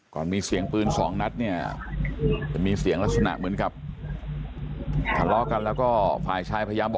มีเสียงปืนสองนัดเนี่ยจะมีเสียงลักษณะเหมือนกับทะเลาะกันแล้วก็ฝ่ายชายพยายามบอก